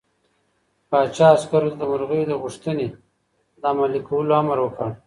پاچا عسکرو ته د مرغۍ د غوښتنې د عملي کولو امر وکړ.